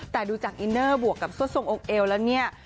แต่ดูจากอินเนอร์บวกกับเสื้อทรงองค์เอวแล้วเนี่ย